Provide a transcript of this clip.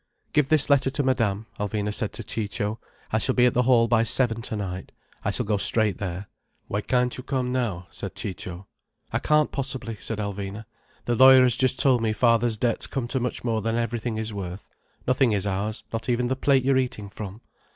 "Give this letter to Madame," Alvina said to Ciccio. "I shall be at the hall by seven tonight. I shall go straight there." "Why can't you come now?" said Ciccio. "I can't possibly," said Alvina. "The lawyer has just told me father's debts come to much more than everything is worth. Nothing is ours—not even the plate you're eating from.